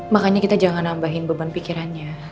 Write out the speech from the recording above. makanya kita jangan nambahin beban pikirannya